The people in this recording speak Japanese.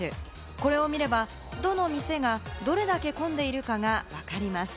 これを見れば、どの店がどれだけ混んでいるかが、わかります。